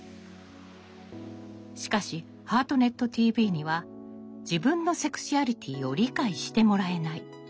しかし「ハートネットＴＶ」には「自分のセクシュアリティーを理解してもらえない」